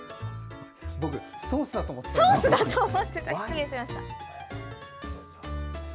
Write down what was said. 僕、ソースだと思ってた。